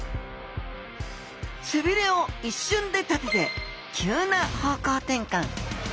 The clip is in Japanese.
背鰭を一瞬で立てて急な方向転換！